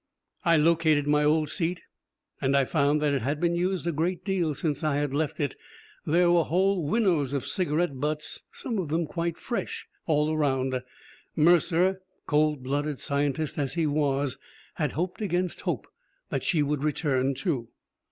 I located my old seat, and I found that it had been used a great deal since I had left it. There were whole winnows of cigarette butts, some of them quite fresh, all around. Mercer, cold blooded scientist as he was, had hoped against hope that she would return too.